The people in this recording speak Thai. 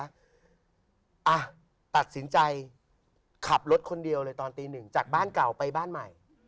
อ่ะตัดสินใจขับรถคนเดียวเลยตอนตีหนึ่งจากบ้านเก่าไปบ้านใหม่